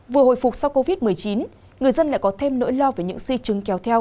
vừa hồi phục sau covid một mươi chín người dân lại có thêm nỗi lo về những di chứng kéo theo